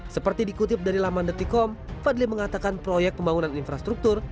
seperti dikutip dari laman detikom fadli mengatakan proyek pembangunan infrastruktur